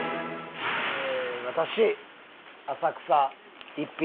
私浅草一品。